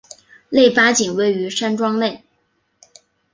内八景位于山庄内。